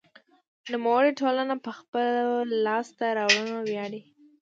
نوموړې ټولنه په خپلو لاسته راوړنو ویاړي.